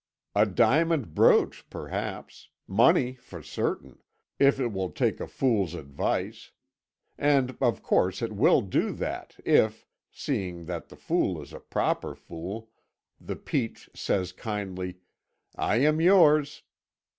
A diamond brooch, perhaps; money for certain, if it will take a fool's advice. And of course it will do that if, seeing that the fool is a proper fool, the peach says kindly, 'I am yours.'